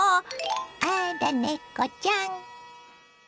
あらネコちゃん！